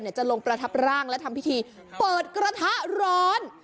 จะลงประทับร่างและทำพิธีเปิดกระทะร้อน